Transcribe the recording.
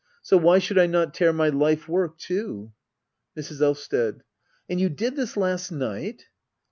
So why should I not tear my life work too ? Mrs. Elvsted. And you did this last night